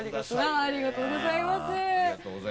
ありがとうございます。